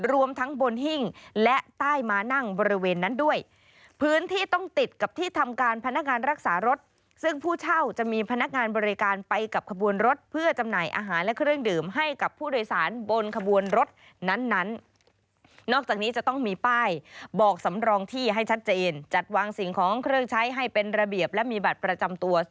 รวมทั้งบนหิ้งและใต้มานั่งบริเวณนั้นด้วยพื้นที่ต้องติดกับที่ทำการพนักงานรักษารถซึ่งผู้เช่าจะมีพนักงานบริการไปกับขบวนรถเพื่อจำหน่ายอาหารและเครื่องดื่มให้กับผู้โดยสารบนขบวนรถนั้นนั้นนอกจากนี้จะต้องมีป้ายบอกสำรองที่ให้ชัดเจนจัดวางสิ่งของเครื่องใช้ให้เป็นระเบียบและมีบัตรประจำตัว